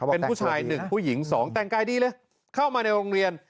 เป็นผู้ชาย๑ผู้หญิง๒แต่งกายดีเลยเข้ามาในโรงเรียน